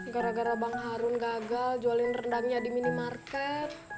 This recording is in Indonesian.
gara gara bang harun gagal jualin rendangnya di minimarket